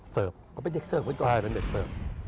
ก็เป็นเด็กเสิร์ฟไว้ก่อนใช่เป็นเด็กเสิร์ฟ